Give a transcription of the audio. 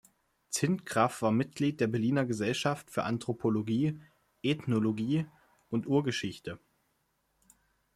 Zintgraff war Mitglied der Berliner Gesellschaft für Anthropologie, Ethnologie und Urgeschichte.